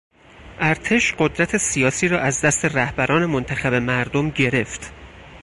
ارتش قدرت سیاسی را از دست رهبران منتخب مردم گرفت.